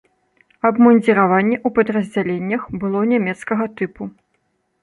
Абмундзіраванне ў падраздзяленнях было нямецкага тыпу.